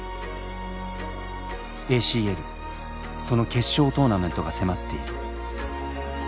ＡＣＬその決勝トーナメントが迫っている。